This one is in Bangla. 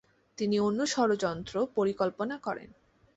তিনি অন্য ষড়যন্ত্র পরিকল্পনা করেন।